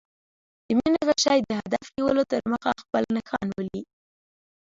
د مینې غشی د هدف نیولو تر مخه خپل نښان ولي.